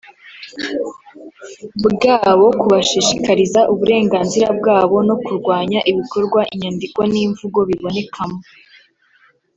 bwabo kubashishikariza uburenganzira bwabo no kurwanya ibikorwa inyandiko n imvugo bibonekamo